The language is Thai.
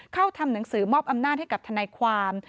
ทำหนังสือมอบอำนาจให้กับทนายความ